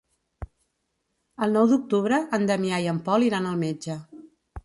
El nou d'octubre en Damià i en Pol iran al metge.